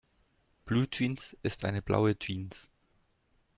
Bluejeans ist eine blaue Jeans.